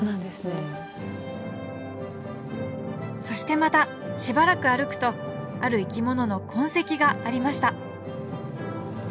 そしてまたしばらく歩くとある生き物の痕跡がありました